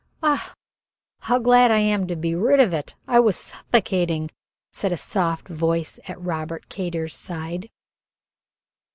"Ah, how glad I am to be rid of it! I was suffocating," said a soft voice at Robert Kater's side.